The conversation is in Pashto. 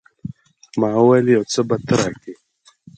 ما وويل يو څه به ته راکې.